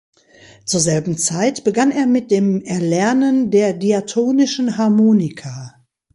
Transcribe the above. Zur selben Zeit begann er mit dem Erlernen der Diatonischen Harmonika.